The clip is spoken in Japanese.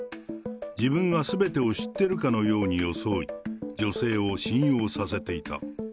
自分がすべてを知ってるかのように装い、女性を信用させていた。